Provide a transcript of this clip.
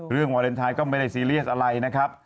วาเลนไทยก็ไม่ได้ซีเรียสอะไรนะครับ